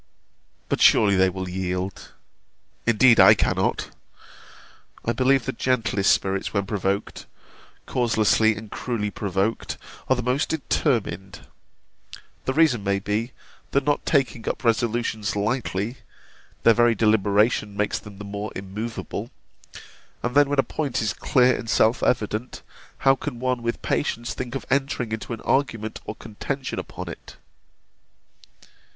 But surely they will yield Indeed I cannot. I believe the gentlest spirits when provoked (causelessly and cruelly provoked) are the most determined. The reason may be, that not taking up resolutions lightly their very deliberation makes them the more immovable. And then when a point is clear and self evident, how can one with patience think of entering into an argument or contention upon it?